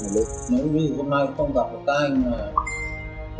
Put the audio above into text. nếu như hôm nay không gặp được các anh